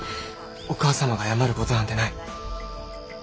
お母様が謝る事なんてない。